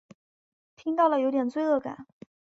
听到了有点罪恶感